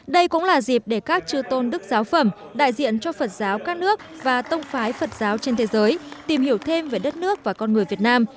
đây cũng là dịp để các chư tôn đức giáo phẩm đại diện cho phật giáo các nước và tông phái phật giáo trên thế giới tìm hiểu thêm về đất nước và con người việt nam